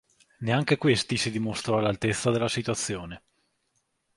Neanche questi si dimostrò all'altezza della situazione.